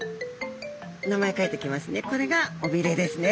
名前書いときますね。